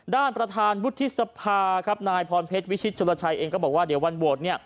ด้านประธานบุติศภาครับนายพรเพชรวิชิตชุระชัยเองก็บอกว่าเดี๋ยววันโบสถ์